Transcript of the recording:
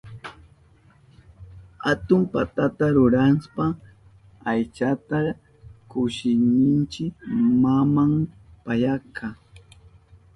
Atun patata rurashpan aychata kushnichin maman payaka.